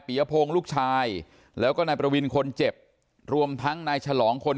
ยพงศ์ลูกชายแล้วก็นายประวินคนเจ็บรวมทั้งนายฉลองคน